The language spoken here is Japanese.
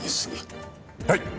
はい。